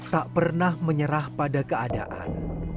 tak pernah menyerah pada keadaan